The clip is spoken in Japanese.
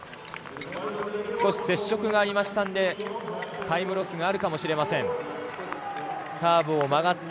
少し接触がありましたのでタイムロスがあるかもしれません。